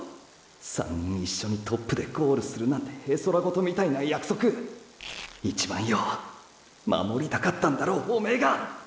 ３人一緒にトップでゴールするなんて絵空事みたいな約束一番よ守りたかったんだろおめえが。